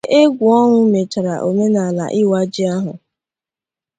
Ka Igwe Egwuọnwụ mechara omenala ịwa ji ahụ